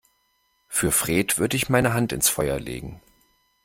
Für Fred würde ich meine Hand ins Feuer legen.